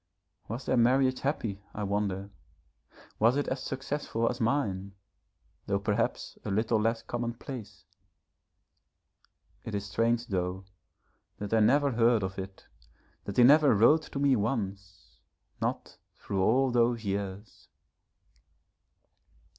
Was their marriage happy I wonder? Was it as successful as mine, though perhaps a little less commonplace? It is strange, though, that I never heard of it, that he never wrote to me once, not through all those years.